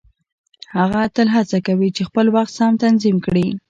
هغه تل هڅه کوي چې خپل وخت سم تنظيم کړي.